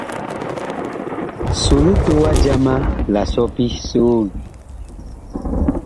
So litowa jama la sɔpi soon.